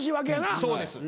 そうです。